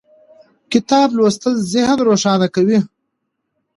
کتاب لوستل ذهن روښانه کوي